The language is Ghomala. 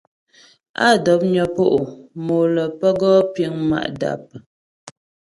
Á dɔpnyə po' mo lə́ pə́ gɔ piŋ ma' dap.